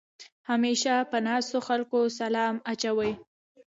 همېشه په ناستو خلکو سلام اچوې.